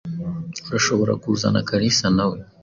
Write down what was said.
Urashobora kuzana Kalisa nawe.